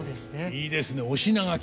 いいですね「お品書き」。